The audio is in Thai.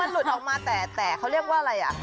หลุดออกมาแต่เขาเรียกว่าอะไรอ่ะ